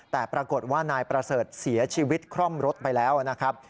แต่ปรากฏว่านายประเสริฐเสียชีวิตคร่อมรถไปแล้วนะครับ